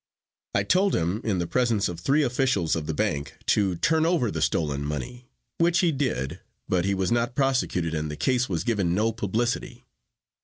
I told him, in the presence of three officials of the bank, to turn over the stolen money, which he did, but he was not prosecuted and the case was given no publicity.